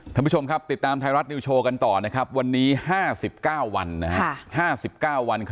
ท่านผู้ชมครับติดตามไทยรัฐนิวโชว์กันต่อนะครับวันนี้๕๙วัน๕๙วัน